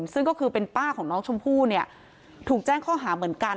ซึ่งก็คือเป็นป้าของน้องชมพู่เนี่ยถูกแจ้งข้อหาเหมือนกัน